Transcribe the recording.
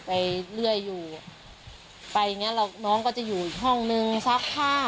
ไปเรื่อยอยู่ไปอย่างเงี้แล้วน้องก็จะอยู่อีกห้องนึงซักผ้า